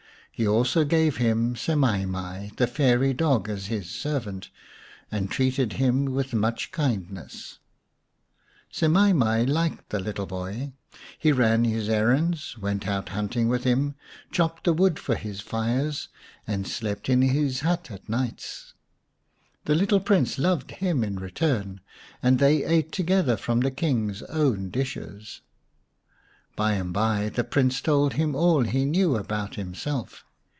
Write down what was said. He also gave him Semai mai, the fairy dog, as his servant, and treated him with much kindness. 173 The Story of Semai mai xv Semai mai liked the little boy ; he ran his errands, went out hunting with him, chopped the wood for his fire, and slept in his hut at nights. The little Prince loved him in return, and they ate together from the King's own dishes. By and by the Prince told him all he knew about himself.